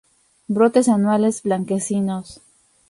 Brotes anuales, blanquecinos.